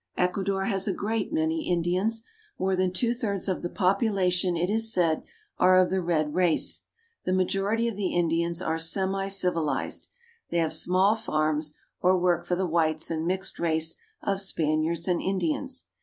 Ecuador has a great many Indians. More than two thirds of the population, it is said, are of the red race. The majority of the Indians are semicivilized. They have small farms, or work for the whites and mixed race of Spaniards and Indians.